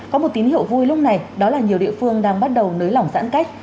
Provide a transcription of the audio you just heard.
có một tín hiệu vui lúc này đó là nhiều địa phương đang bắt đầu nới lỏng giãn cách